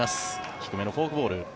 低めのフォークボール。